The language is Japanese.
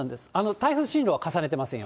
台風進路は重ねてませんよ。